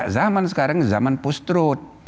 zaman sekarang zaman post truth